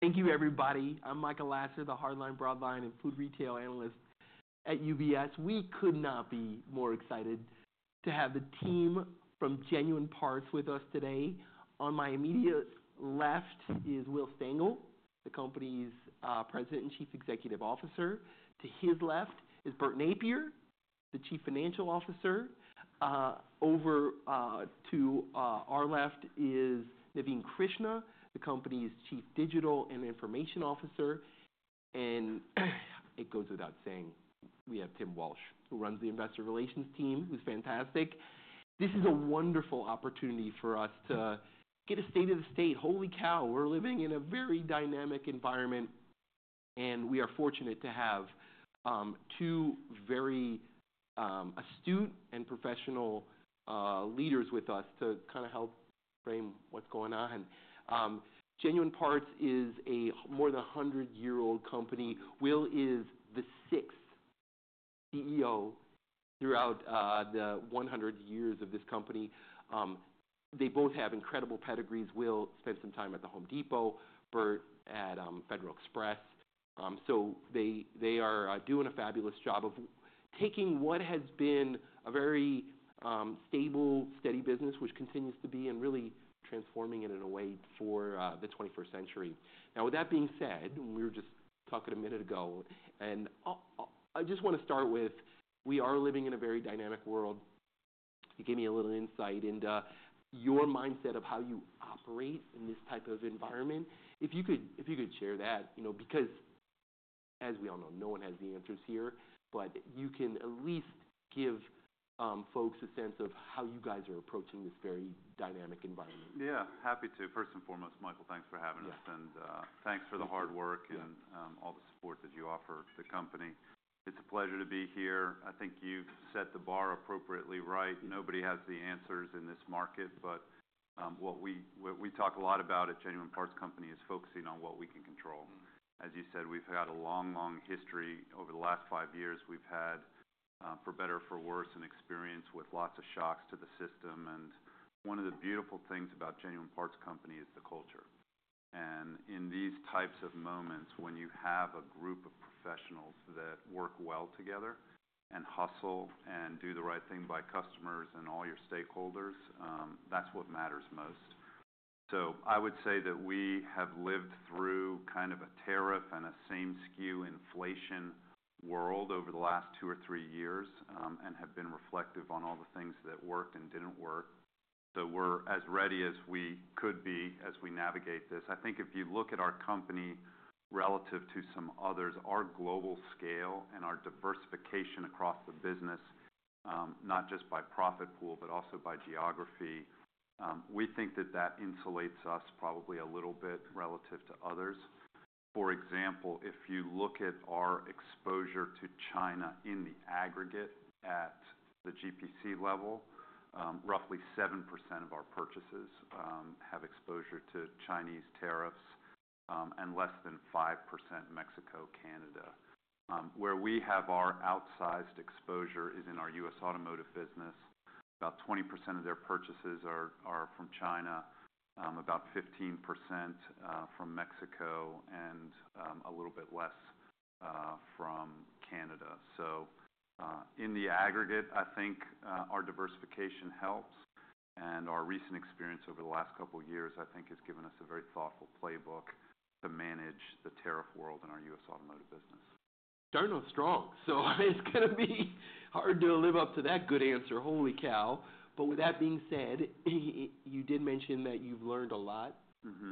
Thank you, everybody. I'm Michael Lasser, the Hardline, Broadline, and Food Retail Analyst at UBS. We could not be more excited to have the team from Genuine Parts with us today. On my immediate left is Will Stengel, the company's President and Chief Executive Officer. To his left is Bert Nappier, the Chief Financial Officer. Over to our left is Naveen Krishna, the company's Chief Digital and Information Officer. It goes without saying, we have Tim Walsh, who runs the investor relations team, who's fantastic. This is a wonderful opportunity for us to get a state of the state. Holy cow, we're living in a very dynamic environment. We are fortunate to have two very astute and professional leaders with us to kind of help frame what's going on. Genuine Parts is a more than 100-year-old company. Will is the sixth CEO throughout the 100 years of this company. They both have incredible pedigrees. Will spent some time at Home Depot, Bert at Federal Express. They are doing a fabulous job of taking what has been a very stable, steady business, which continues to be, and really transforming it in a way for the 21st century. Now, with that being said, we were just talking a minute ago. I just want to start with, we are living in a very dynamic world. You gave me a little insight into your mindset of how you operate in this type of environment. If you could share that, because, as we all know, no one has the answers here, but you can at least give folks a sense of how you guys are approaching this very dynamic environment. Yeah, happy to. First and foremost, Michael, thanks for having us. Thanks for the hard work and all the support that you offer the company. It's a pleasure to be here. I think you've set the bar appropriately right. Nobody has the answers in this market. What we talk a lot about at Genuine Parts Company is focusing on what we can control. As you said, we've had a long, long history. Over the last five years, we've had, for better or for worse, an experience with lots of shocks to the system. One of the beautiful things about Genuine Parts Company is the culture. In these types of moments, when you have a group of professionals that work well together and hustle and do the right thing by customers and all your stakeholders, that's what matters most. I would say that we have lived through kind of a tariff and a same-SKU inflation world over the last two or three years and have been reflective on all the things that worked and did not work. We are as ready as we could be as we navigate this. I think if you look at our company relative to some others, our global scale and our diversification across the business, not just by profit pool, but also by geography, we think that that insulates us probably a little bit relative to others. For example, if you look at our exposure to China in the aggregate at the GPC level, roughly 7% of our purchases have exposure to Chinese tariffs and less than 5% Mexico, Canada. Where we have our outsized exposure is in our US automotive business. About 20% of their purchases are from China, about 15% from Mexico, and a little bit less from Canada. In the aggregate, I think our diversification helps. Our recent experience over the last couple of years, I think, has given us a very thoughtful playbook to manage the tariff world in our U.S. automotive business. Starting off strong. It's going to be hard to live up to that good answer. Holy cow. With that being said, you did mention that you've learned a lot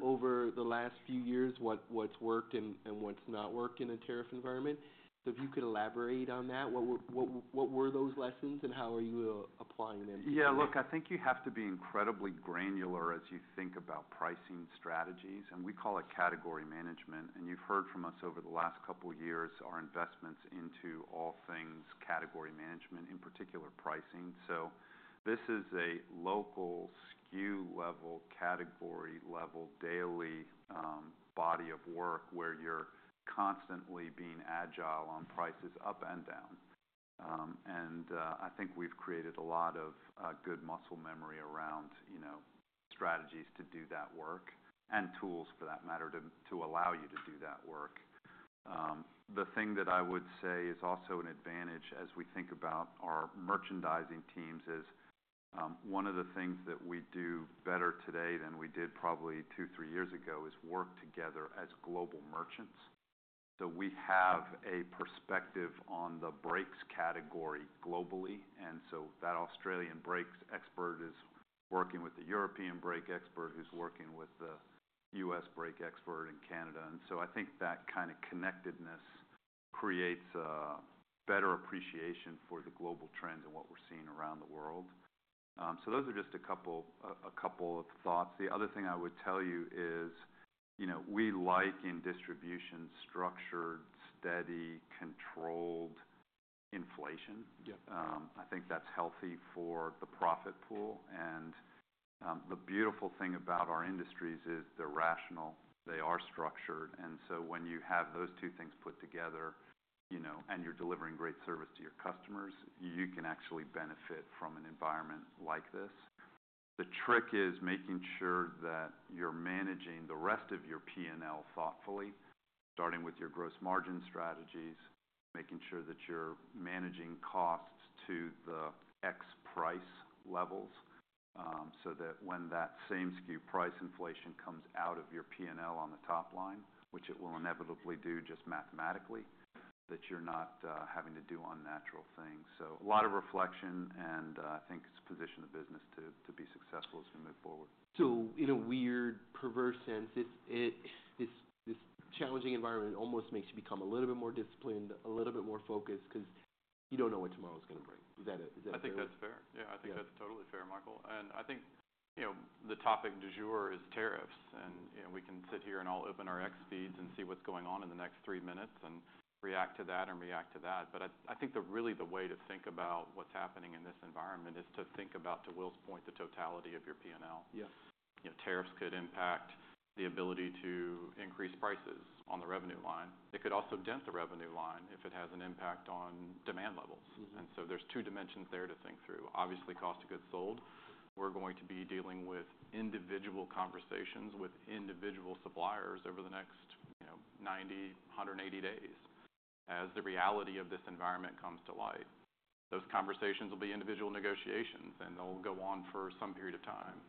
over the last few years, what's worked and what's not worked in a tariff environment. If you could elaborate on that, what were those lessons and how are you applying them to your business? Yeah, look, I think you have to be incredibly granular as you think about pricing strategies. We call it category management. You have heard from us over the last couple of years, our investments into all things category management, in particular pricing. This is a local SKU level, category level, daily body of work where you are constantly being agile on prices up and down. I think we have created a lot of good muscle memory around strategies to do that work and tools, for that matter, to allow you to do that work. The thing that I would say is also an advantage as we think about our merchandising teams is one of the things that we do better today than we did probably two, three years ago is work together as global merchants. We have a perspective on the brakes category globally. That Australian brakes expert is working with the European brake expert who's working with the US brake expert in Canada. I think that kind of connectedness creates a better appreciation for the global trends and what we're seeing around the world. Those are just a couple of thoughts. The other thing I would tell you is we like in distribution structured, steady, controlled inflation. I think that's healthy for the profit pool. The beautiful thing about our industries is they're rational. They are structured. When you have those two things put together and you're delivering great service to your customers, you can actually benefit from an environment like this. The trick is making sure that you're managing the rest of your P&L thoughtfully, starting with your gross margin strategies, making sure that you're managing costs to the ex-price levels so that when that same-SKU price inflation comes out of your P&L on the top line, which it will inevitably do just mathematically, that you're not having to do unnatural things. A lot of reflection and I think it's positioned the business to be successful as we move forward. In a weird, perverse sense, this challenging environment almost makes you become a little bit more disciplined, a little bit more focused because you don't know what tomorrow is going to bring. Is that fair? I think that's fair. Yeah, I think that's totally fair, Michael. I think the topic du jour is tariffs. We can sit here and all open our X feeds and see what's going on in the next three minutes and react to that and react to that. I think really the way to think about what's happening in this environment is to think about, to Will's point, the totality of your P&L. Tariffs could impact the ability to increase prices on the revenue line. It could also dent the revenue line if it has an impact on demand levels. There are two dimensions there to think through. Obviously, cost of goods sold. We're going to be dealing with individual conversations with individual suppliers over the next 90-180 days as the reality of this environment comes to light. Those conversations will be individual negotiations, and they'll go on for some period of time.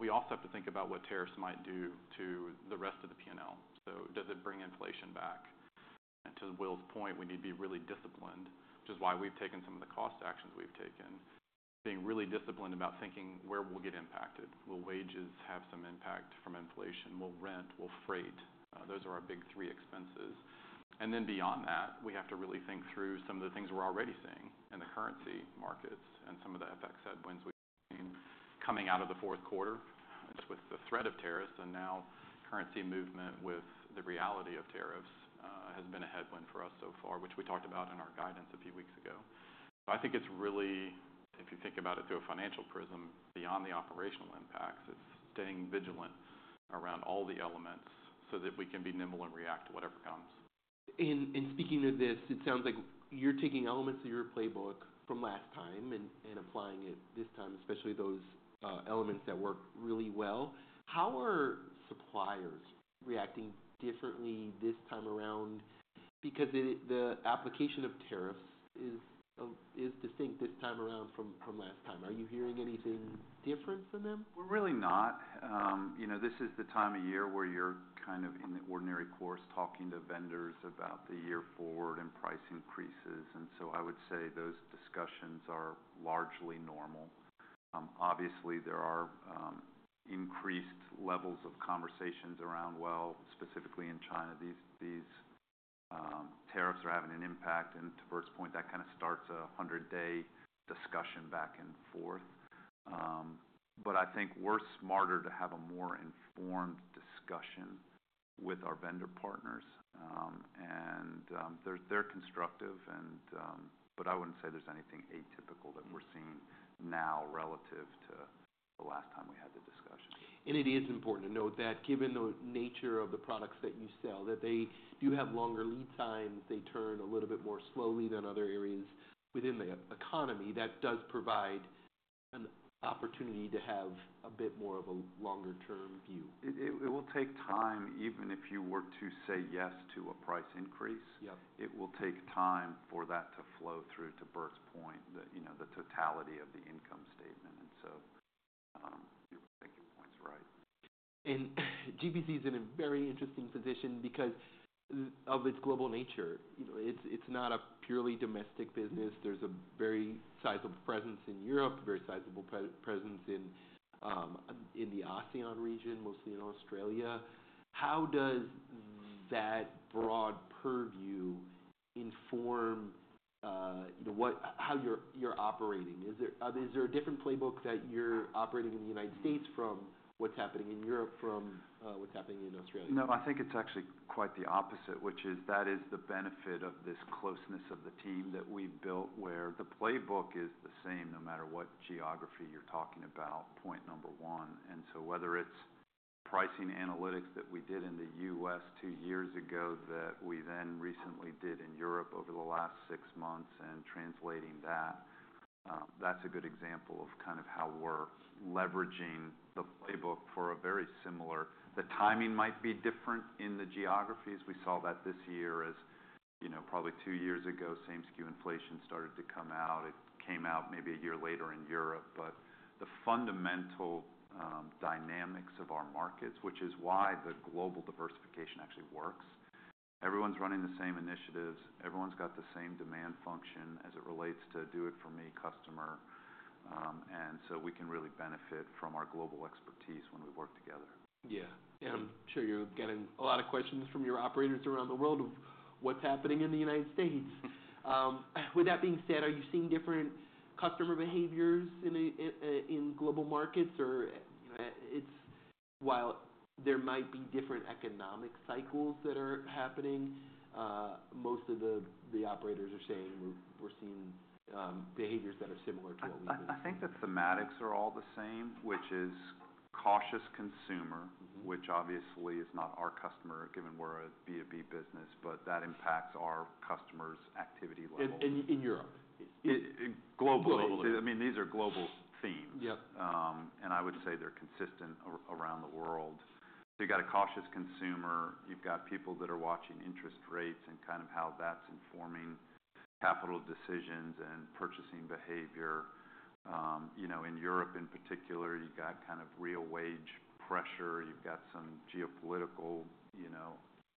We also have to think about what tariffs might do to the rest of the P&L. Does it bring inflation back? To Will's point, we need to be really disciplined, which is why we've taken some of the cost actions we've taken, being really disciplined about thinking where we'll get impacted. Will wages have some impact from inflation? Will rent, will freight? Those are our big three expenses. Beyond that, we have to really think through some of the things we're already seeing in the currency markets and some of the FX headwinds we've seen coming out of the fourth quarter with the threat of tariffs. Currency movement with the reality of tariffs has been a headwind for us so far, which we talked about in our guidance a few weeks ago. I think it's really, if you think about it through a financial prism, beyond the operational impacts, it's staying vigilant around all the elements so that we can be nimble and react to whatever comes. Speaking of this, it sounds like you're taking elements of your playbook from last time and applying it this time, especially those elements that work really well. How are suppliers reacting differently this time around? Because the application of tariffs is distinct this time around from last time. Are you hearing anything different from them? We're really not. This is the time of year where you're kind of in the ordinary course talking to vendors about the year forward and price increases. I would say those discussions are largely normal. Obviously, there are increased levels of conversations around, like, specifically in China, these tariffs are having an impact. To Bert's point, that kind of starts a 100-day discussion back and forth. I think we're smarter to have a more informed discussion with our vendor partners. They're constructive. I wouldn't say there's anything atypical that we're seeing now relative to the last time we had the discussion. It is important to note that given the nature of the products that you sell, that they do have longer lead times, they turn a little bit more slowly than other areas within the economy. That does provide an opportunity to have a bit more of a longer-term view. It will take time, even if you were to say yes to a price increase. It will take time for that to flow through, to Bert's point, the totality of the income statement. I think your point's right. GPC is in a very interesting position because of its global nature. It's not a purely domestic business. There's a very sizable presence in Europe, a very sizable presence in the Australasian region, mostly in Australia. How does that broad purview inform how you're operating? Is there a different playbook that you're operating in the United States from what's happening in Europe from what's happening in Australia? No, I think it's actually quite the opposite, which is that is the benefit of this closeness of the team that we've built where the playbook is the same no matter what geography you're talking about, point number one. Whether it's pricing analytics that we did in the U.S. two years ago that we then recently did in Europe over the last six months and translating that, that's a good example of kind of how we're leveraging the playbook for a very similar timing. The timing might be different in the geographies. We saw that this year as probably two years ago, same-SKU inflation started to come out. It came out maybe a year later in Europe. The fundamental dynamics of our markets, which is why the global diversification actually works, everyone's running the same initiatives. Everyone's got the same demand function as it relates to do-it-for-me customer. We can really benefit from our global expertise when we work together. Yeah. I'm sure you're getting a lot of questions from your operators around the world of what's happening in the United States. With that being said, are you seeing different customer behaviors in global markets? While there might be different economic cycles that are happening, most of the operators are saying we're seeing behaviors that are similar to what we've been seeing. I think the thematics are all the same, which is cautious consumer, which obviously is not our customer given we're a B2B business, but that impacts our customers' activity level. In Europe? Globally. I mean, these are global themes. I would say they're consistent around the world. You've got a cautious consumer. You've got people that are watching interest rates and kind of how that's informing capital decisions and purchasing behavior. In Europe, in particular, you've got kind of real wage pressure. You've got some geopolitical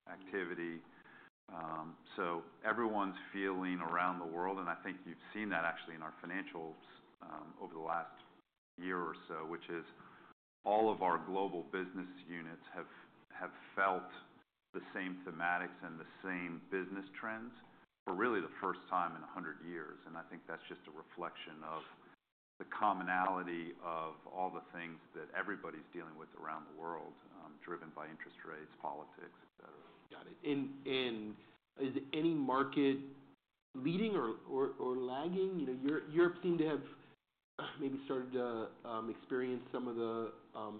activity. Everyone's feeling around the world, and I think you've seen that actually in our financials over the last year or so, which is all of our global business units have felt the same thematics and the same business trends for really the first time in 100 years. I think that's just a reflection of the commonality of all the things that everybody's dealing with around the world driven by interest rates, politics, etc. Got it. Is any market leading or lagging? Europe seemed to have maybe started to experience some of the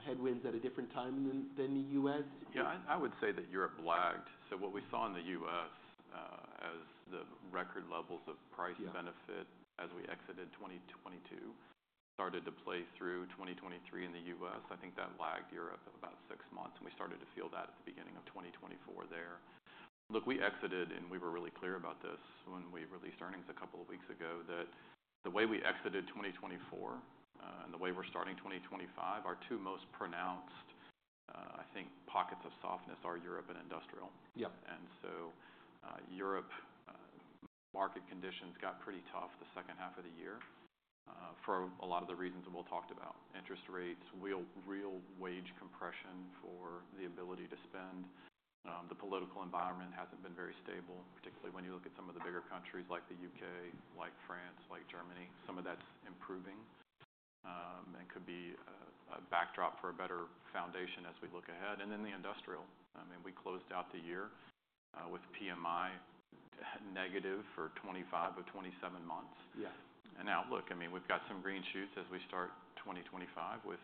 headwinds at a different time than the U.S. Yeah, I would say that Europe lagged. What we saw in the U.S. as the record levels of price benefit as we exited 2022 started to play through 2023 in the U.S., I think that lagged Europe about six months. We started to feel that at the beginning of 2024 there. Look, we exited, and we were really clear about this when we released earnings a couple of weeks ago, that the way we exited 2024 and the way we're starting 2025, our two most pronounced, I think, pockets of softness are Europe and Industrial. Europe market conditions got pretty tough the second half of the year for a lot of the reasons we'll talk about: interest rates, real wage compression for the ability to spend. The political environment has not been very stable, particularly when you look at some of the bigger countries like the U.K., like France, like Germany. Some of that is improving and could be a backdrop for a better foundation as we look ahead. I mean, we closed out the year with PMI negative for 25 of 27 months. Now, look, I mean, we have got some green shoots as we start 2025 with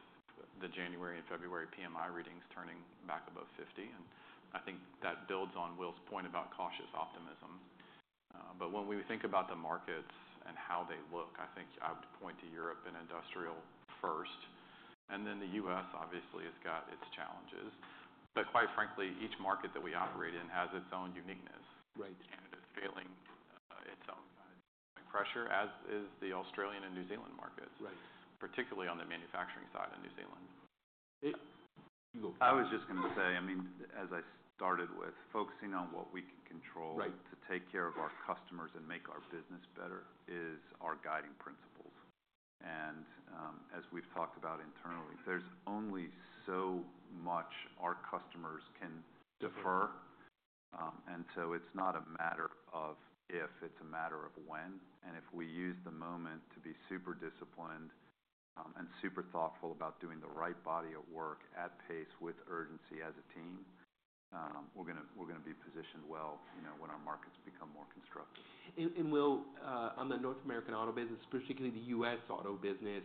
the January and February PMI readings turning back above 50. I think that builds on Will's point about cautious optimism. When we think about the markets and how they look, I think I would point to Europe and Industrial first. The U.S., obviously, has got its challenges. Quite frankly, each market that we operate in has its own uniqueness. It is feeling its own pressure, as is the Australian and New Zealand markets, particularly on the manufacturing side in New Zealand. You go. I was just going to say, I mean, as I started with, focusing on what we can control to take care of our customers and make our business better is our guiding principles. As we've talked about internally, there's only so much our customers can defer. It's not a matter of if; it's a matter of when. If we use the moment to be super disciplined and super thoughtful about doing the right body of work at pace with urgency as a team, we're going to be positioned well when our markets become more constructive. Will, on the North American auto business, particularly the US auto business,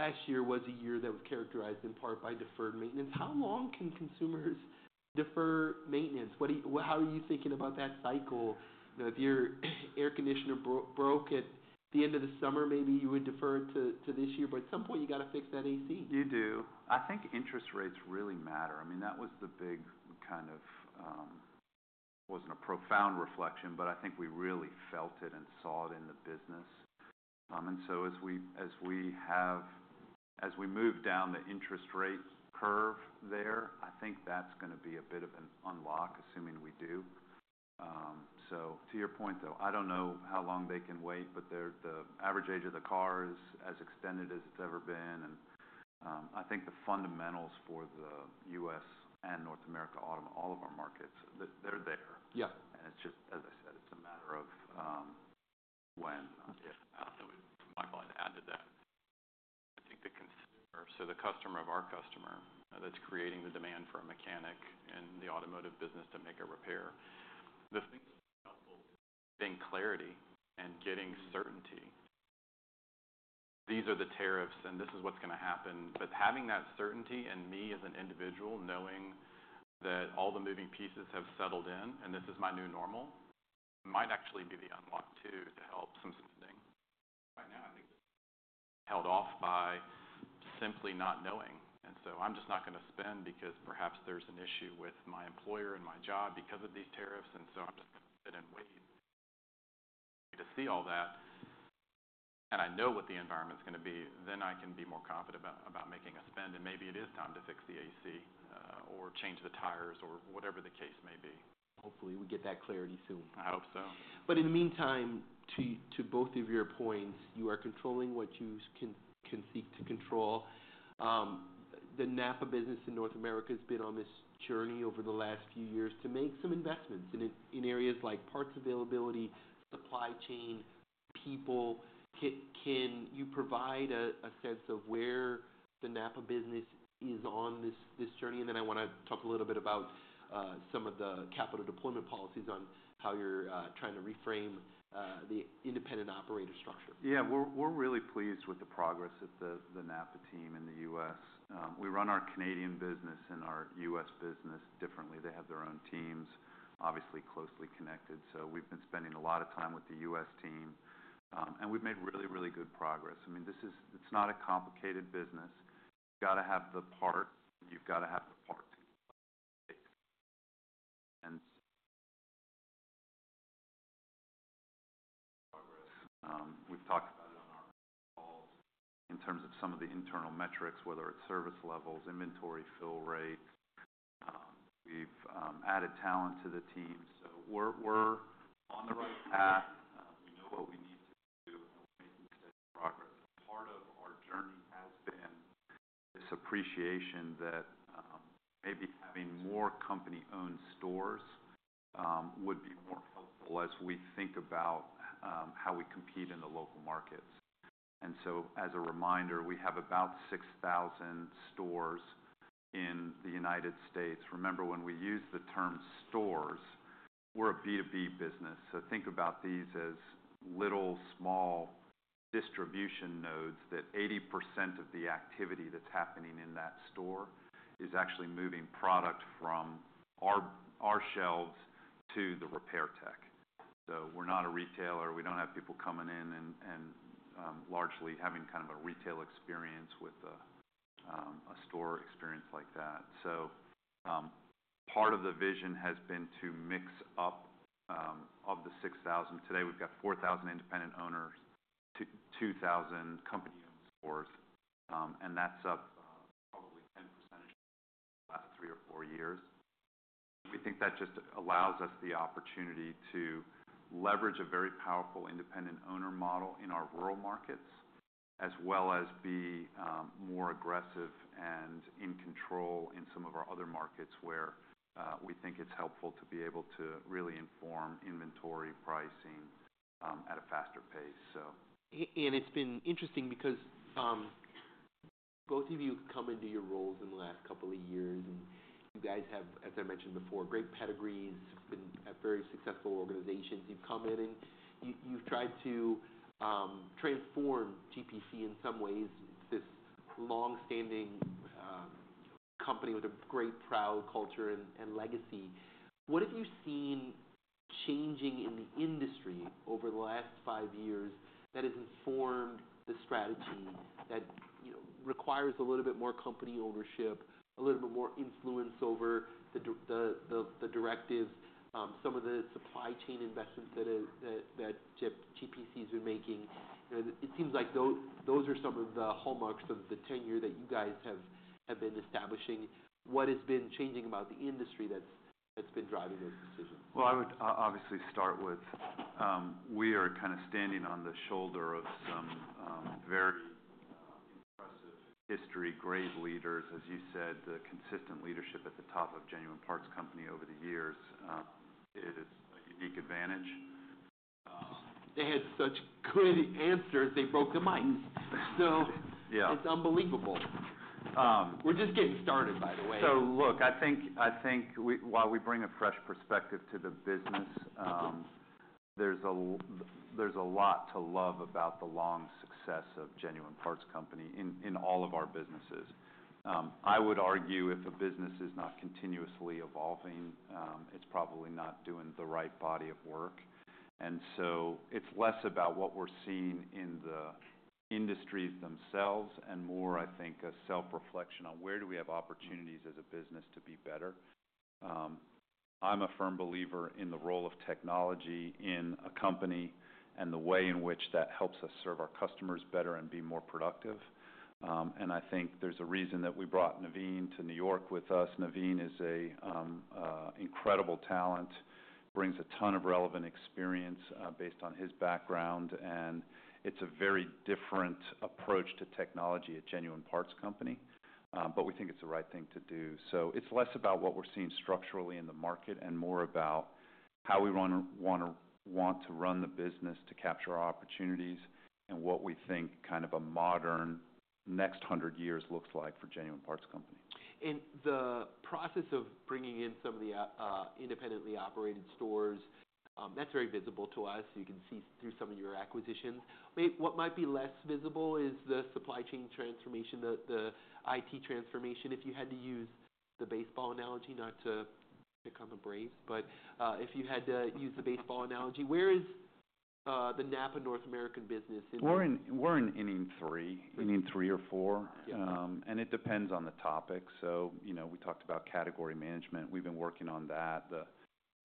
last year was a year that was characterized in part by deferred maintenance. How long can consumers defer maintenance? How are you thinking about that cycle? If your air conditioner broke at the end of the summer, maybe you would defer it to this year. At some point, you got to fix that AC. You do. I think interest rates really matter. I mean, that was the big kind of—it was not a profound reflection, but I think we really felt it and saw it in the business. As we move down the interest rate curve there, I think that is going to be a bit of an unlock, assuming we do. To your point, though, I do not know how long they can wait, but the average age of the car is as extended as it has ever been. I think the fundamentals for the U.S. and North America auto, all of our markets, they are there. It is just, as I said, a matter of when. I will throw in, Michael, I would add to that. I think the consumer—the customer of our customer that's creating the demand for a mechanic in the automotive business to make a repair—the things that are helpful, getting clarity and getting certainty, these are the tariffs, and this is what's going to happen. Having that certainty and me as an individual knowing that all the moving pieces have settled in, and this is my new normal, might actually be the unlock too to help some spending. Right now, I think that's held off by simply not knowing. I'm just not going to spend because perhaps there's an issue with my employer and my job because of these tariffs. I'm just going to sit and wait to see all that. When I know what the environment's going to be, then I can be more confident about making a spend. Maybe it is time to fix the AC or change the tires or whatever the case may be. Hopefully, we get that clarity soon. I hope so. In the meantime, to both of your points, you are controlling what you can seek to control. The NAPA business in North America has been on this journey over the last few years to make some investments in areas like parts availability, supply chain, people. Can you provide a sense of where the NAPA business is on this journey? I want to talk a little bit about some of the capital deployment policies on how you're trying to reframe the independent operator structure. Yeah, we're really pleased with the progress of the NAPA team in the U.S. We run our Canadian business and our U.S. business differently. They have their own teams, obviously closely connected. We've been spending a lot of time with the U.S. team. We've made really, really good progress. I mean, it's not a complicated business. You've got to have the part. You've got to have the part to keep up to date. We've seen progress. We've talked about it on our calls in terms of some of the internal metrics, whether it's service levels, inventory fill rates. We've added talent to the team. We're on the right path. We know what we need to do. We're making steady progress. Part of our journey has been this appreciation that maybe having more company-owned stores would be more helpful as we think about how we compete in the local markets. As a reminder, we have about 6,000 stores in the United States. Remember, when we use the term stores, we're a B2B business. Think about these as little small distribution nodes that 80% of the activity that's happening in that store is actually moving product from our shelves to the repair tech. We're not a retailer. We don't have people coming in and largely having kind of a retail experience with a store experience like that. Part of the vision has been to mix up of the 6,000. Today, we've got 4,000 independent owners, 2,000 company-owned stores. That's up probably 10 percentage points in the last three or four years. We think that just allows us the opportunity to leverage a very powerful independent owner model in our rural markets as well as be more aggressive and in control in some of our other markets where we think it's helpful to be able to really inform inventory pricing at a faster pace. It has been interesting because both of you have come into your roles in the last couple of years. You guys have, as I mentioned before, great pedigrees, been at very successful organizations. You have come in and you have tried to transform GPC in some ways. It is this long-standing company with a great proud culture and legacy. What have you seen changing in the industry over the last five years that has informed the strategy that requires a little bit more company ownership, a little bit more influence over the directives, some of the supply chain investments that GPC has been making? It seems like those are some of the hallmarks of the tenure that you guys have been establishing. What has been changing about the industry that has been driving those decisions? I would obviously start with we are kind of standing on the shoulder of some very impressive history, great leaders, as you said, the consistent leadership at the top of Genuine Parts Company over the years. It is a unique advantage. They had such good answers. They broke the minds. It is unbelievable. We are just getting started, by the way. I think while we bring a fresh perspective to the business, there's a lot to love about the long success of Genuine Parts Company in all of our businesses. I would argue if a business is not continuously evolving, it's probably not doing the right body of work. It's less about what we're seeing in the industries themselves and more, I think, a self-reflection on where do we have opportunities as a business to be better. I'm a firm believer in the role of technology in a company and the way in which that helps us serve our customers better and be more productive. I think there's a reason that we brought Naveen to New York with us. Naveen is an incredible talent, brings a ton of relevant experience based on his background. It's a very different approach to technology at Genuine Parts Company. We think it's the right thing to do. It is less about what we are seeing structurally in the market and more about how we want to run the business to capture our opportunities and what we think kind of a modern next 100 years looks like for Genuine Parts Company. The process of bringing in some of the independently operated stores, that's very visible to us. You can see through some of your acquisitions. What might be less visible is the supply chain transformation, the IT transformation. If you had to use the baseball analogy, not to pick on the Braves, but if you had to use the baseball analogy, where is the NAPA North American business in? We're in three, in three or four. It depends on the topic. We talked about category management. We've been working on that. The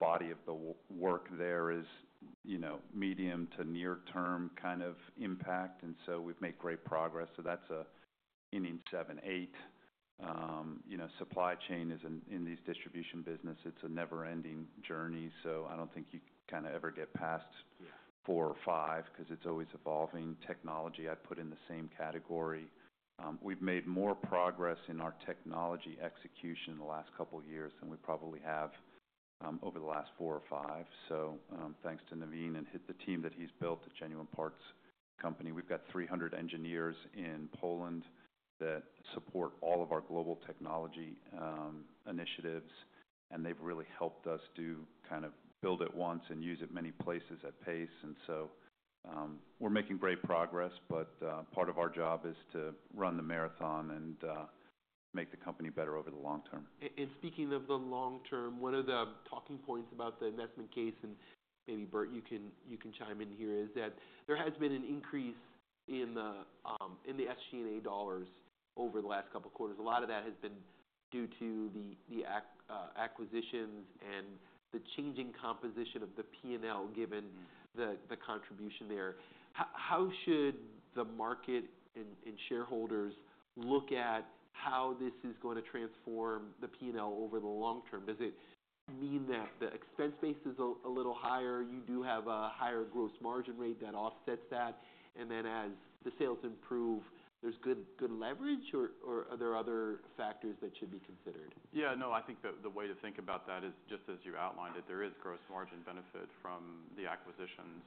body of the work there is medium to near-term kind of impact. We've made great progress. That's in seven, eight. Supply chain is in these distribution businesses. It's a never-ending journey. I don't think you ever get past four or five because it's always evolving. Technology, I'd put in the same category. We've made more progress in our technology execution in the last couple of years than we probably have over the last four or five. Thanks to Naveen and the team that he's built at Genuine Parts Company. We've got 300 engineers in Poland that support all of our global technology initiatives. They've really helped us do kind of build it once and use it many places at pace. We are making great progress. Part of our job is to run the marathon and make the company better over the long term. Speaking of the long term, one of the talking points about the investment case, and maybe Bert, you can chime in here, is that there has been an increase in the SG&A dollars over the last couple of quarters. A lot of that has been due to the acquisitions and the changing composition of the P&L given the contribution there. How should the market and shareholders look at how this is going to transform the P&L over the long term? Does it mean that the expense base is a little higher? You do have a higher gross margin rate that offsets that. As the sales improve, there is good leverage or are there other factors that should be considered? Yeah. No, I think the way to think about that is just as you outlined it, there is gross margin benefit from the acquisitions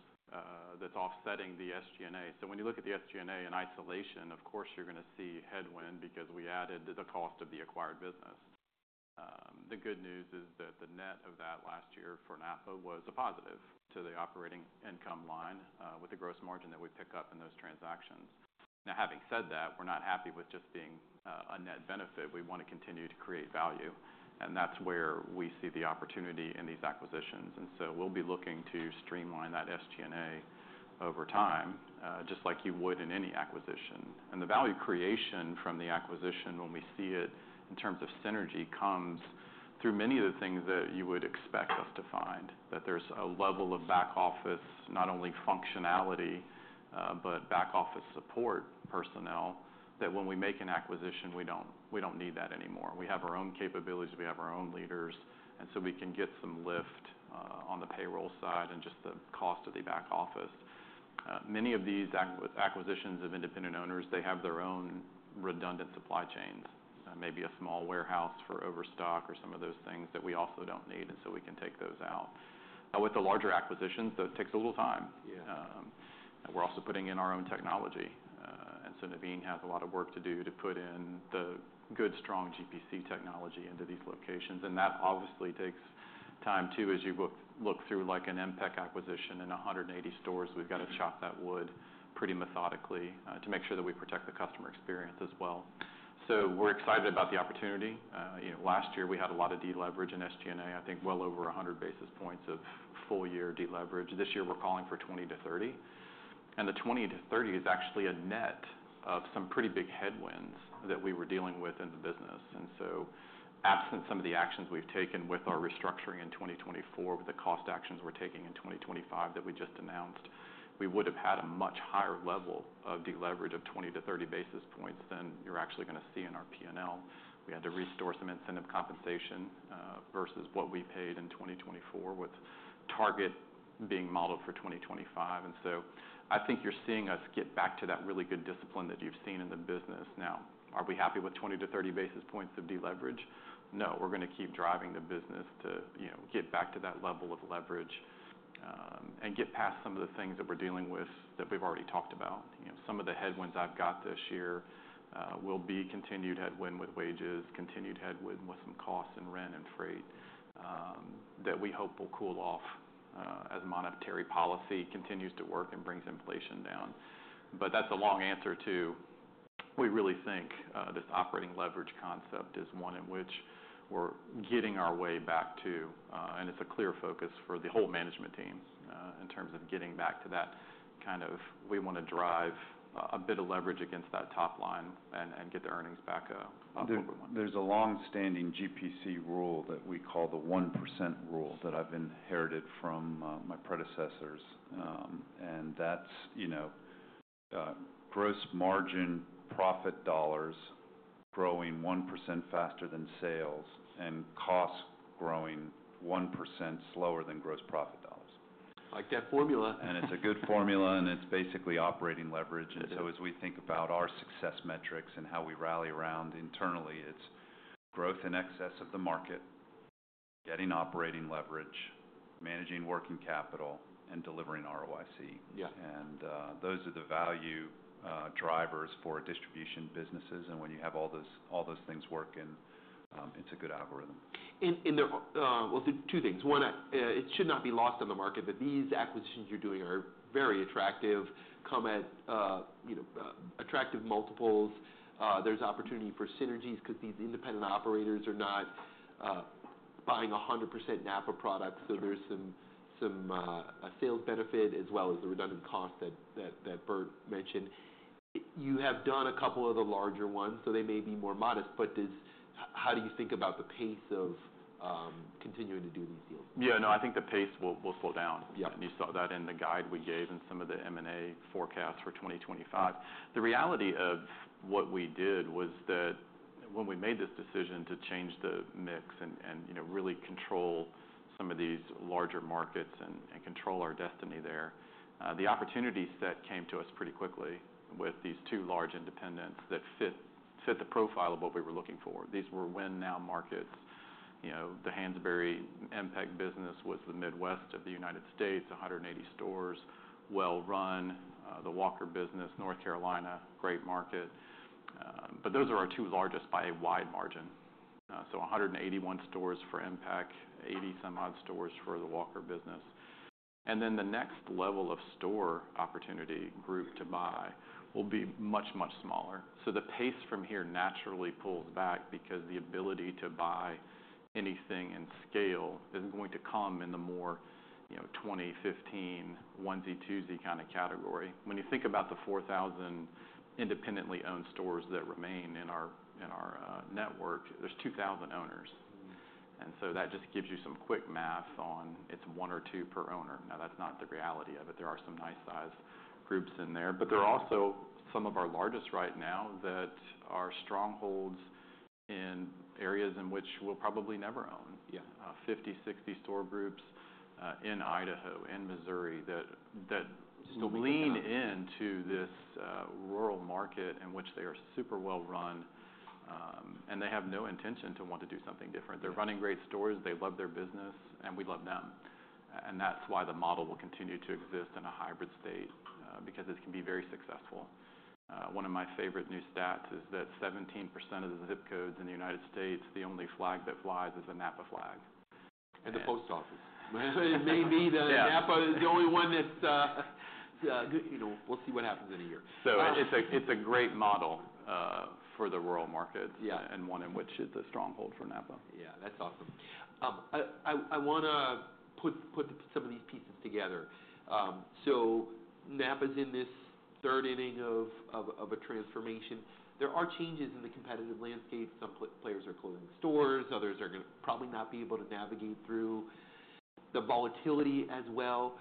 that's offsetting the SG&A. When you look at the SG&A in isolation, of course, you're going to see headwind because we added the cost of the acquired business. The good news is that the net of that last year for NAPA was a positive to the operating income line with the gross margin that we pick up in those transactions. Now, having said that, we're not happy with just being a net benefit. We want to continue to create value. That is where we see the opportunity in these acquisitions. We will be looking to streamline that SG&A over time, just like you would in any acquisition. The value creation from the acquisition, when we see it in terms of synergy, comes through many of the things that you would expect us to find, that there's a level of back office, not only functionality, but back office support personnel that when we make an acquisition, we don't need that anymore. We have our own capabilities. We have our own leaders. We can get some lift on the payroll side and just the cost of the back office. Many of these acquisitions of independent owners, they have their own redundant supply chains, maybe a small warehouse for overstock or some of those things that we also don't need. We can take those out. With the larger acquisitions, though, it takes a little time. We're also putting in our own technology. Naveen has a lot of work to do to put in the good, strong GPC technology into these locations. That obviously takes time too, as you look through like an MPEC acquisition and 180 stores. We have to chop that wood pretty methodically to make sure that we protect the customer experience as well. We are excited about the opportunity. Last year, we had a lot of deleverage in SG&A, I think well over 100 basis points of full-year deleverage. This year, we are calling for 20-30. The 20-30 is actually a net of some pretty big headwinds that we were dealing with in the business. Absent some of the actions we've taken with our restructuring in 2024, with the cost actions we're taking in 2025 that we just announced, we would have had a much higher level of deleverage of 20-30 basis points than you're actually going to see in our P&L. We had to restore some incentive compensation versus what we paid in 2024 with target being modeled for 2025. I think you're seeing us get back to that really good discipline that you've seen in the business. Now, are we happy with 20-30 basis points of deleverage? No, we're going to keep driving the business to get back to that level of leverage and get past some of the things that we're dealing with that we've already talked about. Some of the headwinds I've got this year will be continued headwind with wages, continued headwind with some costs and rent and freight that we hope will cool off as monetary policy continues to work and brings inflation down. That is a long answer to we really think this operating leverage concept is one in which we're getting our way back to, and it's a clear focus for the whole management team in terms of getting back to that kind of we want to drive a bit of leverage against that top line and get the earnings back up where we want to. There's a long-standing GPC rule that we call the 1% rule that I've inherited from my predecessors. That is gross margin profit dollars growing 1% faster than sales and costs growing 1% slower than gross profit dollars. I like that formula. It is a good formula. It is basically operating leverage. As we think about our success metrics and how we rally around internally, it is growth in excess of the market, getting operating leverage, managing working capital, and delivering ROIC. Those are the value drivers for distribution businesses. When you have all those things working, it is a good algorithm. There are two things. One, it should not be lost on the market that these acquisitions you're doing are very attractive, come at attractive multiples. There's opportunity for synergies because these independent operators are not buying 100% NAPA products. So there's some sales benefit as well as the redundant cost that Bert mentioned. You have done a couple of the larger ones, so they may be more modest. How do you think about the pace of continuing to do these deals? Yeah. No, I think the pace will slow down. You saw that in the guide we gave and some of the M&A forecasts for 2025. The reality of what we did was that when we made this decision to change the mix and really control some of these larger markets and control our destiny there, the opportunity set came to us pretty quickly with these two large independents that fit the profile of what we were looking for. These were win now markets. The Hansbury MPEC business was the Midwest of the United States, 180 stores, well-run. The Walker business, North Carolina, great market. Those are our two largest by a wide margin. So 181 stores for MPEC, 80 some odd stores for the Walker business. The next level of store opportunity group to buy will be much, much smaller. The pace from here naturally pulls back because the ability to buy anything in scale is not going to come in the more 2015, onesie, twosie kind of category. When you think about the 4,000 independently owned stores that remain in our network, there are 2,000 owners. That just gives you some quick math on it is one or two per owner. Now, that is not the reality of it. There are some nice size groups in there. There are also some of our largest right now that are strongholds in areas in which we will probably never own, 50-60 store groups in Idaho, in Missouri that still lean into this rural market in which they are super well-run. They have no intention to want to do something different. They are running great stores. They love their business. We love them. That is why the model will continue to exist in a hybrid state because it can be very successful. One of my favorite new stats is that 17% of the ZIP codes in the United States, the only flag that flies is a NAPA flag. At the post office. It may be that NAPA is the only one that's, we'll see what happens in a year. It's a great model for the rural markets and one in which it's a stronghold for NAPA. Yeah. That's awesome. I want to put some of these pieces together. NAPA's in this third inning of a transformation. There are changes in the competitive landscape. Some players are closing stores. Others are going to probably not be able to navigate through the volatility as well.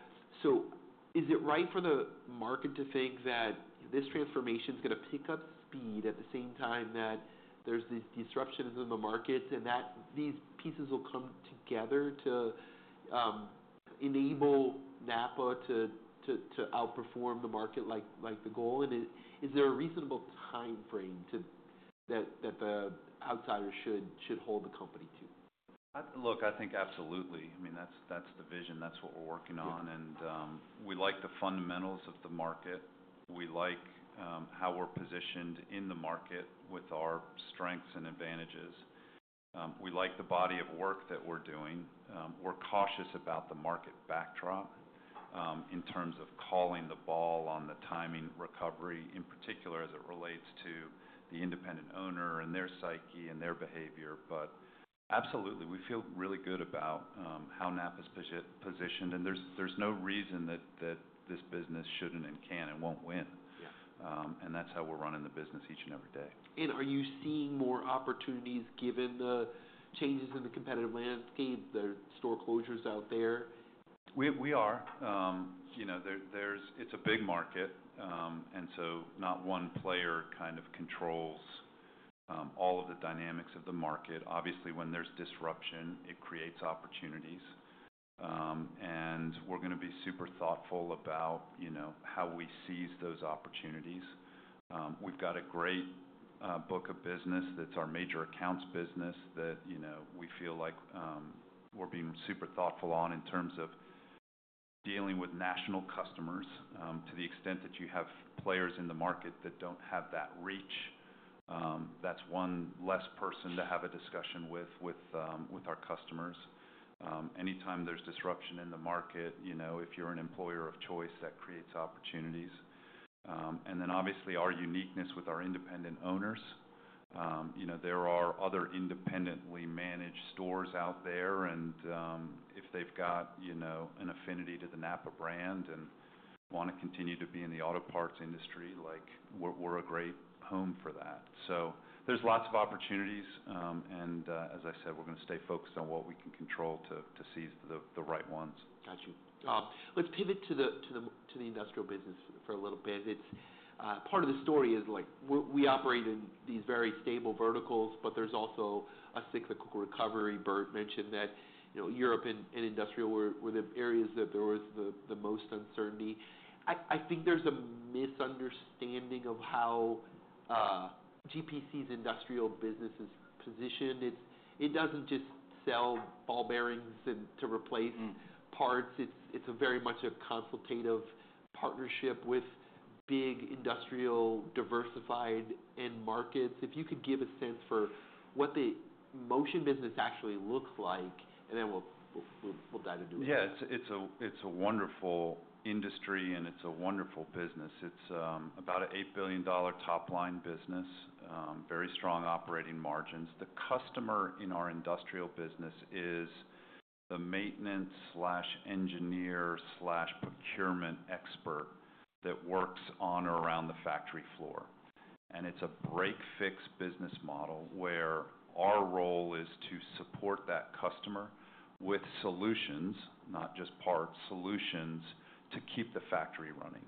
Is it right for the market to think that this transformation is going to pick up speed at the same time that there's these disruptions in the markets and that these pieces will come together to enable NAPA to outperform the market like the goal? Is there a reasonable time frame that the outsider should hold the company to? Look, I think absolutely. I mean, that's the vision. That's what we're working on. We like the fundamentals of the market. We like how we're positioned in the market with our strengths and advantages. We like the body of work that we're doing. We're cautious about the market backdrop in terms of calling the ball on the timing recovery, in particular as it relates to the independent owner and their psyche and their behavior. Absolutely, we feel really good about how NAPA's positioned. There's no reason that this business shouldn't and can and won't win. That's how we're running the business each and every day. Are you seeing more opportunities given the changes in the competitive landscape, the store closures out there? We are. It is a big market. Not one player kind of controls all of the dynamics of the market. Obviously, when there is disruption, it creates opportunities. We are going to be super thoughtful about how we seize those opportunities. We have got a great book of business that is our major accounts business that we feel like we are being super thoughtful on in terms of dealing with national customers. To the extent that you have players in the market that do not have that reach, that is one less person to have a discussion with with our customers. Anytime there is disruption in the market, if you are an employer of choice, that creates opportunities. Obviously, our uniqueness with our independent owners. There are other independently managed stores out there. If they've got an affinity to the NAPA brand and want to continue to be in the auto parts industry, we're a great home for that. There are lots of opportunities. As I said, we're going to stay focused on what we can control to seize the right ones. Gotcha. Let's pivot to the industrial business for a little bit. Part of the story is we operate in these very stable verticals, but there's also a cyclical recovery. Bert mentioned that Europe and Industrial were the areas that there was the most uncertainty. I think there's a misunderstanding of how GPC's industrial business is positioned. It doesn't just sell ball bearings to replace parts. It's very much a consultative partnership with big industrial diversified end markets. If you could give a sense for what the Motion business actually looks like, and then we'll dive into it. Yeah. It's a wonderful industry, and it's a wonderful business. It's about an $8 billion top line business, very strong operating margins. The customer in our industrial business is the maintenance/engineer/procurement expert that works on or around the factory floor. It's a break-fix business model where our role is to support that customer with solutions, not just parts, solutions to keep the factory running.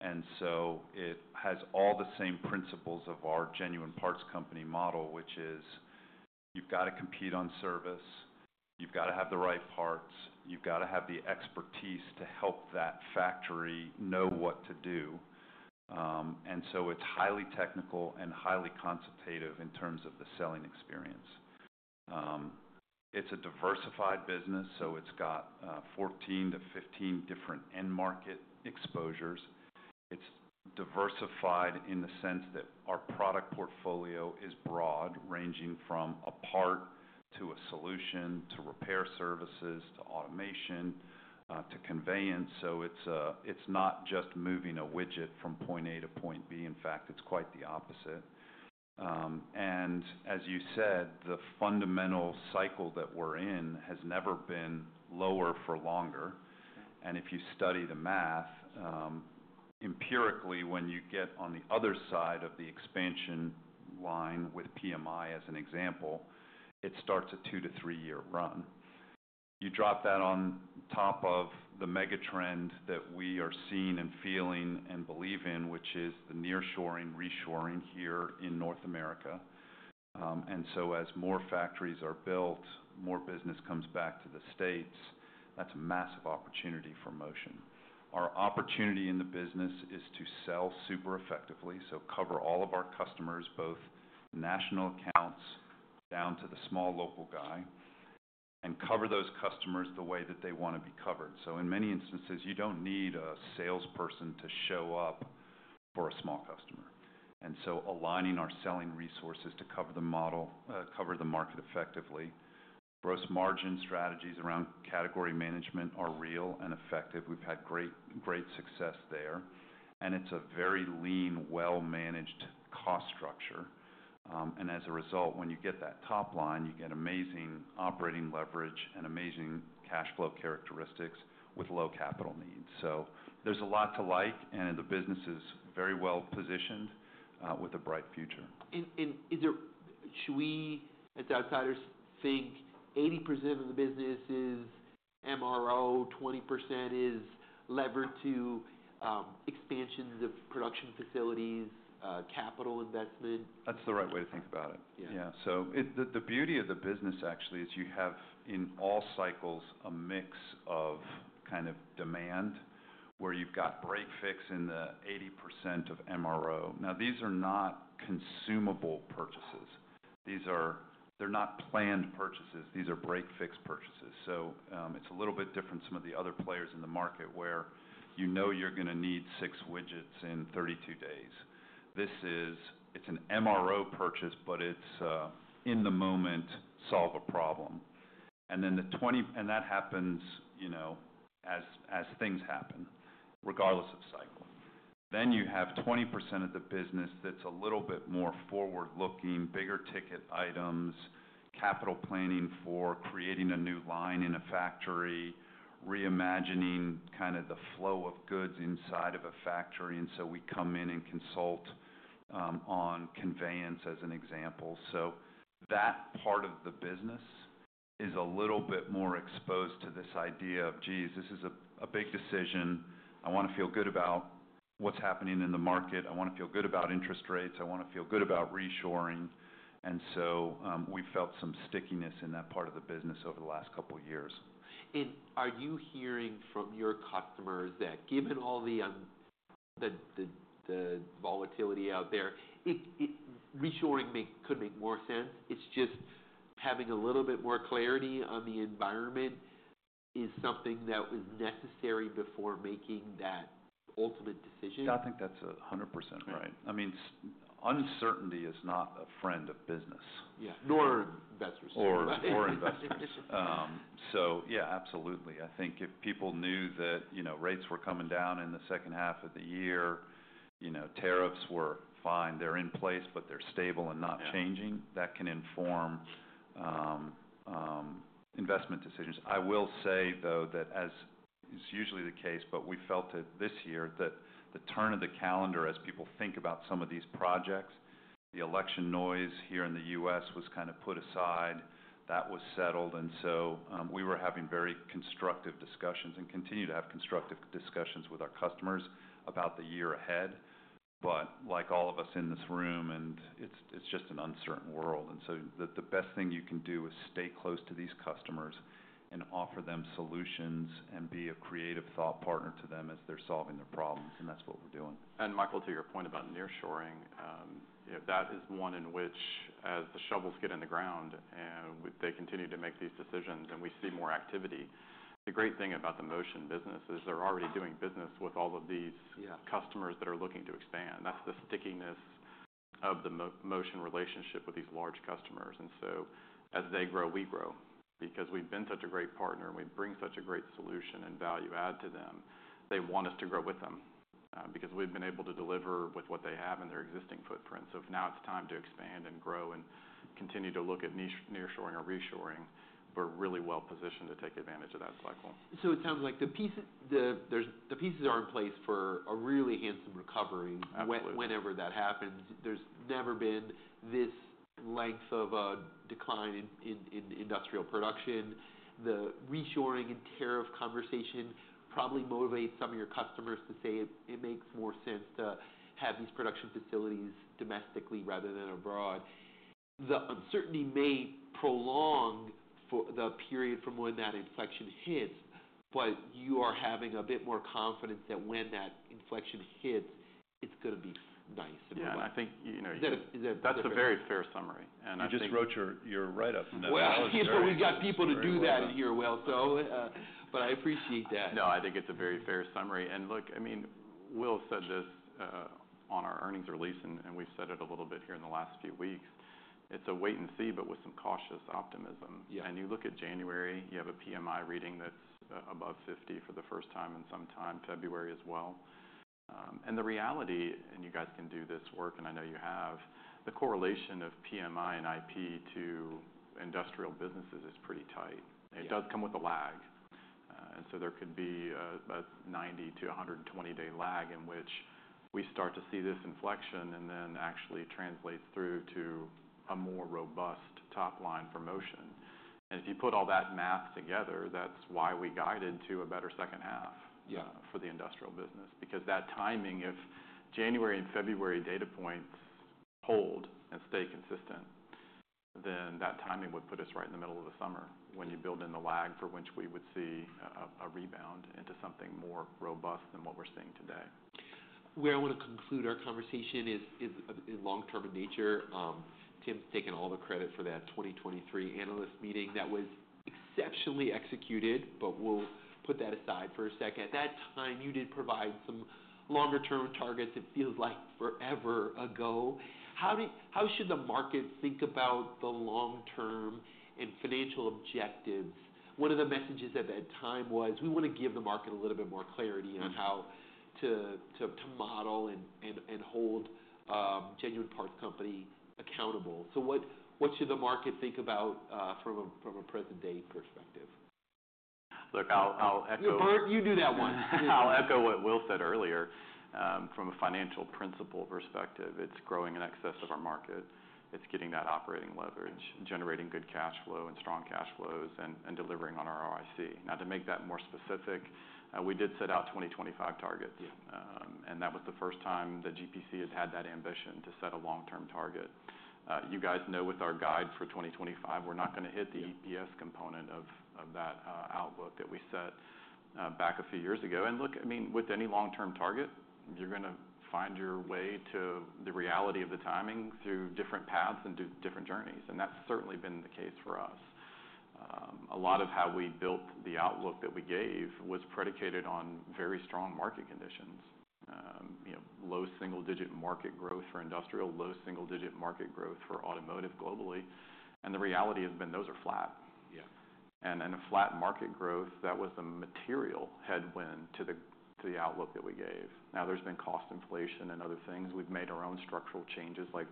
It has all the same principles of our Genuine Parts Company model, which is you've got to compete on service. You've got to have the right parts. You've got to have the expertise to help that factory know what to do. It's highly technical and highly consultative in terms of the selling experience. It's a diversified business, so it's got 14-15 different end market exposures. is diversified in the sense that our product portfolio is broad, ranging from a part to a solution to repair services to automation to conveyance. It is not just moving a widget from point A to point B. In fact, it is quite the opposite. As you said, the fundamental cycle that we are in has never been lower for longer. If you study the math, empirically, when you get on the other side of the expansion line with PMI as an example, it starts a two- to three-year run. You drop that on top of the megatrend that we are seeing and feeling and believe in, which is the nearshoring, reshoring here in North America. As more factories are built, more business comes back to the States. That is a massive opportunity for Motion. Our opportunity in the business is to sell super effectively, so cover all of our customers, both national accounts down to the small local guy, and cover those customers the way that they want to be covered. In many instances, you do not need a salesperson to show up for a small customer. Aligning our selling resources to cover the model, cover the market effectively. Gross margin strategies around category management are real and effective. We have had great success there. It is a very lean, well-managed cost structure. As a result, when you get that top line, you get amazing operating leverage and amazing cash flow characteristics with low capital needs. There is a lot to like. The business is very well positioned with a bright future. Should we, as outsiders, think 80% of the business is MRO, 20% is levered to expansions of production facilities, capital investment? That's the right way to think about it. Yeah. The beauty of the business actually is you have in all cycles a mix of kind of demand where you've got break-fix in the 80% of MRO. Now, these are not consumable purchases. They're not planned purchases. These are break-fix purchases. It's a little bit different from some of the other players in the market where you know you're going to need six widgets in 32 days. This is an MRO purchase, but it's in the moment, solve a problem. That happens as things happen, regardless of cycle. You have 20% of the business that's a little bit more forward-looking, bigger ticket items, capital planning for creating a new line in a factory, reimagining kind of the flow of goods inside of a factory. We come in and consult on conveyance as an example. That part of the business is a little bit more exposed to this idea of, "Geez, this is a big decision. I want to feel good about what's happening in the market. I want to feel good about interest rates. I want to feel good about reshoring." We have felt some stickiness in that part of the business over the last couple of years. Are you hearing from your customers that given all the volatility out there, reshoring could make more sense? It's just having a little bit more clarity on the environment is something that was necessary before making that ultimate decision? Yeah. I think that's 100% right. I mean, uncertainty is not a friend of business. Yeah. Nor investors. Absolutely. I think if people knew that rates were coming down in the second half of the year, tariffs were fine, they're in place, but they're stable and not changing, that can inform investment decisions. I will say, though, that as is usually the case, we felt it this year that the turn of the calendar as people think about some of these projects, the election noise here in the U.S. was kind of put aside. That was settled. We were having very constructive discussions and continue to have constructive discussions with our customers about the year ahead. Like all of us in this room, it's just an uncertain world. The best thing you can do is stay close to these customers and offer them solutions and be a creative thought partner to them as they're solving their problems. That is what we're doing. Michael, to your point about nearshoring, that is one in which as the shovels get in the ground and they continue to make these decisions and we see more activity, the great thing about the Motion business is they're already doing business with all of these customers that are looking to expand. That's the stickiness of the Motion relationship with these large customers. As they grow, we grow because we've been such a great partner and we bring such a great solution and value add to them. They want us to grow with them because we've been able to deliver with what they have and their existing footprints. Now it's time to expand and grow and continue to look at nearshoring or reshoring. We're really well positioned to take advantage of that cycle. It sounds like the pieces are in place for a really handsome recovery whenever that happens. There has never been this length of a decline in industrial production. The reshoring and tariff conversation probably motivates some of your customers to say it makes more sense to have these production facilities domestically rather than abroad. The uncertainty may prolong the period from when that inflection hits, but you are having a bit more confidence that when that inflection hits, it is going to be nice. Yeah. I think that's a very fair summary. I think. You just wrote your write-up. We've got people to do that in here, Will. I appreciate that. No, I think it's a very fair summary. Look, I mean, Will said this on our earnings release, and we've said it a little bit here in the last few weeks. It's a wait and see, but with some cautious optimism. You look at January, you have a PMI reading that's above 50 for the first time in some time, February as well. The reality, and you guys can do this work, and I know you have, the correlation of PMI and IP to industrial businesses is pretty tight. It does come with a lag. There could be a 90-120 day lag in which we start to see this inflection and then actually translates through to a more robust top line for Motion. If you put all that math together, that's why we guided to a better second half for the industrial business. Because that timing, if January and February data points hold and stay consistent, then that timing would put us right in the middle of the summer when you build in the lag for which we would see a rebound into something more robust than what we're seeing today. Where I want to conclude our conversation is long-term in nature. Tim's taken all the credit for that 2023 analyst meeting that was exceptionally executed, but we'll put that aside for a second. At that time, you did provide some longer-term targets. It feels like forever ago. How should the market think about the long-term and financial objectives? One of the messages at that time was, "We want to give the market a little bit more clarity on how to model and hold Genuine Parts Company accountable." So what should the market think about from a present-day perspective? Look, I'll echo. You do that one. I'll echo what Will said earlier. From a financial principle perspective, it's growing in excess of our market. It's getting that operating leverage, generating good cash flow and strong cash flows, and delivering on our ROIC. Now, to make that more specific, we did set out 2025 targets. That was the first time that GPC had had that ambition to set a long-term target. You guys know with our guide for 2025, we're not going to hit the EPS component of that outlook that we set back a few years ago. I mean, with any long-term target, you're going to find your way to the reality of the timing through different paths and different journeys. That's certainly been the case for us. A lot of how we built the outlook that we gave was predicated on very strong market conditions, low single-digit market growth for industrial, low single-digit market growth for automotive globally. The reality has been those are flat. A flat market growth, that was a material headwind to the outlook that we gave. There has been cost inflation and other things. We have made our own structural changes, like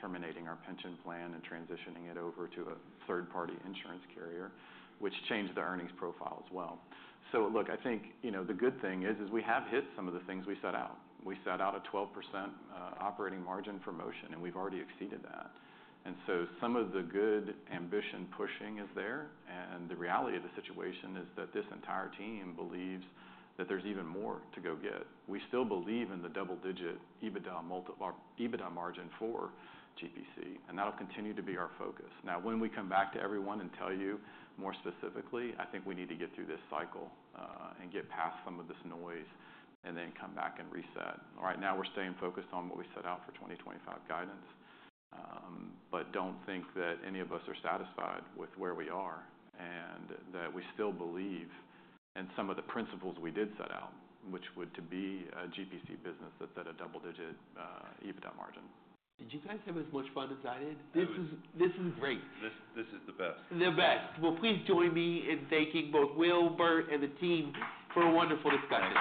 terminating our pension plan and transitioning it over to a third-party insurance carrier, which changed the earnings profile as well. I think the good thing is we have hit some of the things we set out. We set out a 12% operating margin for Motion, and we have already exceeded that. Some of the good ambition pushing is there. The reality of the situation is that this entire team believes that there's even more to go get. We still believe in the double-digit EBITDA margin for GPC, and that'll continue to be our focus. Now, when we come back to everyone and tell you more specifically, I think we need to get through this cycle and get past some of this noise and then come back and reset. Right now, we're staying focused on what we set out for 2025 guidance, but don't think that any of us are satisfied with where we are and that we still believe in some of the principles we did set out, which would be a GPC business that's at a double-digit EBITDA margin. Did you guys have as much fun as I did? This is great. This is the best. The best. Please join me in thanking both Will, Bert, and the team for a wonderful discussion.